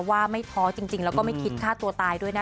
ว่าไม่ท้อจริงแล้วก็ไม่คิดฆ่าตัวตายด้วยนะคะ